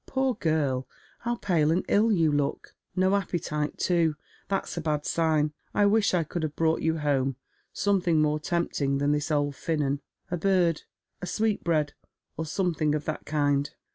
" Poor girl, how pale and ill you look ! No appetite too. That's a bad sign. I wish I could have brought you home some thing more tempting than this old fimian. A bhd, a sweetbread, or something of that land."